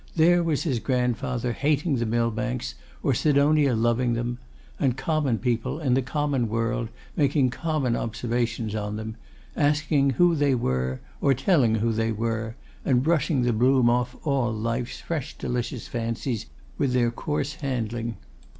There was his grandfather hating the Millbanks, or Sidonia loving them; and common people, in the common world, making common observations on them; asking who they were, or telling who they were; and brushing the bloom off all life's fresh delicious fancies with their coarse handling.